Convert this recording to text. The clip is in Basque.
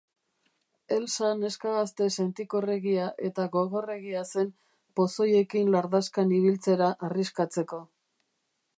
Elsa neska gazte sentikorregia eta gogorregia zen pozoiekin lardaskan ibiltzera arriskatzeko.